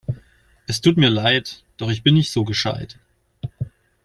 Es tut mir wirklich leid, doch ich bin nicht so gescheit!